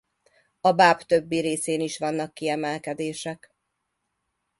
A báb többi részén is vannak kiemelkedések.